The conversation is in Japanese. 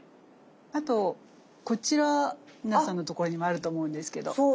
あとこちら皆さんのところにもあると思うんですけど。